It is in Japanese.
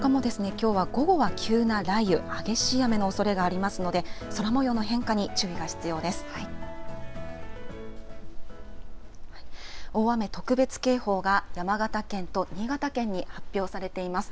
きょうは午後は急な雷雨、激しい雨のおそれがありますので、空模様の変化に注意が必要です。